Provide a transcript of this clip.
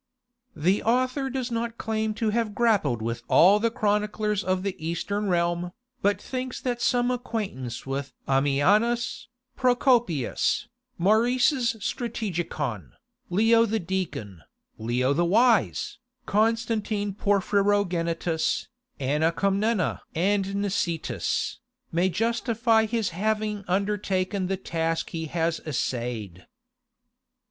The author does not claim to have grappled with all the chroniclers of the Eastern realm, but thinks that some acquaintance with Ammianus, Procopius, Maurice's "Strategikon," Leo the Deacon, Leo the Wise, Constantine Porphyrogenitus, Anna Comnena and Nicetas, may justify his having undertaken the task he has essayed.